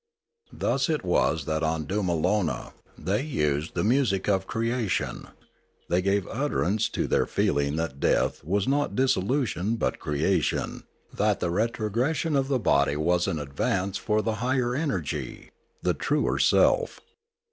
Thus it was that on Doomalona they used the music of creation; they gave utterance to their feeling that death was not dissolution but creation, that the retrogression of the body was an advance for the higher energy, the truer self.